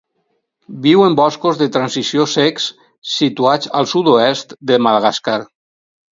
Viu en boscos de transició secs situats al sud-oest de Madagascar.